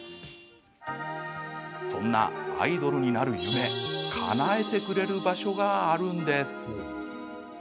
そんなアイドルになる夢かなえてくれる場所があるんです。